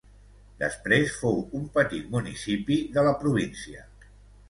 Després fou un petit municipi de la província.